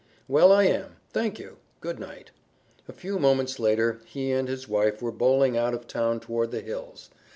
"Well, I am. Thank you. Good night." A few moments later he and his wife were bowling out of town toward the hills.